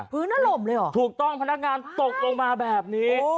ถล่มเลยเหรอถูกต้องพนักงานตกลงมาแบบนี้